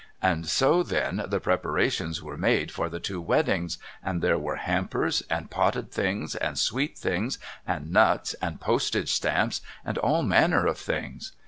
And so then the preparations were made for the two weddings, and there were hampers, and potted things, and sweet things, and nuts, and postage stamps, and all manner of things.